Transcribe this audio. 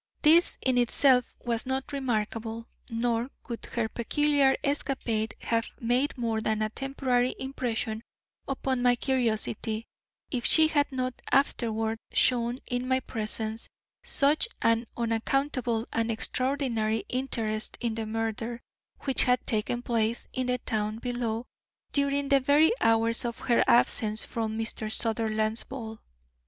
This in itself was not remarkable nor would her peculiar escapade have made more than a temporary impression upon my curiosity if she had not afterward shown in my presence such an unaccountable and extraordinary interest in the murder which had taken place in the town below during the very hours of her absence from Mr. Sutherland's ball.